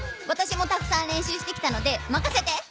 わたしもたくさん練習してきたのでまかせて！